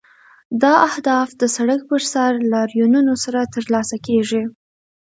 دا اهداف د سړک پر سر لاریونونو سره ترلاسه کیږي.